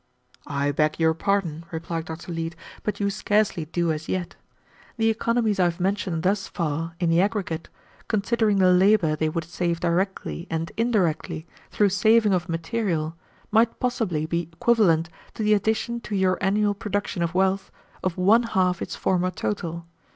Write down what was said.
"I beg your pardon," replied Dr. Leete, "but you scarcely do as yet. The economies I have mentioned thus far, in the aggregate, considering the labor they would save directly and indirectly through saving of material, might possibly be equivalent to the addition to your annual production of wealth of one half its former total.